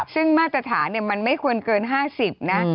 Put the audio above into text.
ซึ่งมาตรฐานมันไม่ควรเกิน๕๐นะ